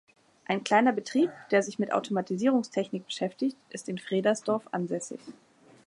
Ein kleiner Betrieb, der sich mit Automatisierungstechnik beschäftigt, ist in Fredersdorf ansässig.